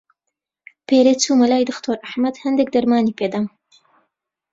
پێرێ چوومە لای دختۆر ئەحمەد، هەندێک دەرمانی پێ دام.